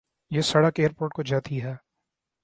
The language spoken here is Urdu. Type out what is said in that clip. یہ سڑک ایئر پورٹ کو جاتی ہے